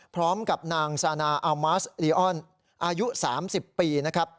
พร้อมกับนางซานาอัลมัสลีออนอายุ๓๐ปีนะครับ